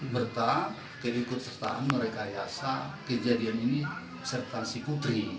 berita keikut sertaan mereka yasa kejadian ini serta siku